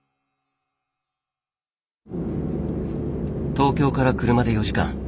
東京から車で４時間。